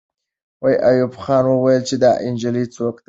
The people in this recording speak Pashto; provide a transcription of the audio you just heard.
ایوب خان وویل چې دا نجلۍ څوک ده.